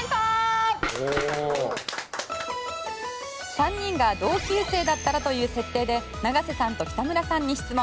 ３人が同級生だったらという設定で長瀬さんと北村さんに質問。